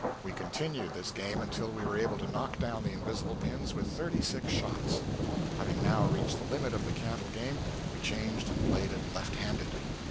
We continued this game until we were able to knock down the invisible pins with thirty six shots. Having now reached the limit of the candle game, we changed and played it left handed.